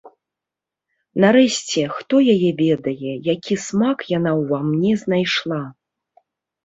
Нарэшце, хто яе ведае, які смак яна ўва мне знайшла.